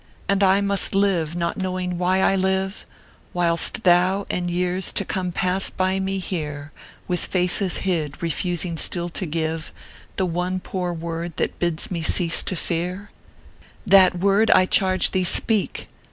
And must I live, not knowing why I live, "Whilst Thou and years to come pass by me here "With faces hid, refusing still to give The one poor word that bids me cease to fear ?" That word, I charge thee, speak